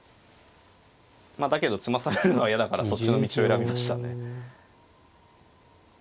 まあだけど詰まされるのは嫌だからそっちの道を選びましたね。